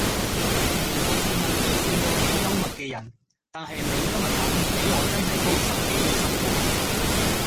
我自問都算個幾幽默既人但係你幽默感比我真係高十幾二十倍